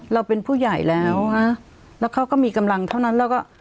เราเป็นผู้ใหญ่แล้วฮะแล้วเขาก็มีกำลังเท่านั้นแล้วก็